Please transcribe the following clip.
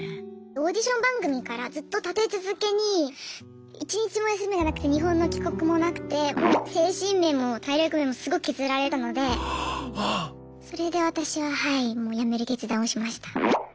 オーディション番組からずっと立て続けに一日も休みがなくて日本の帰国もなくてもう精神面も体力面もすごく削られたのでそれで私ははいもうやめる決断をしました。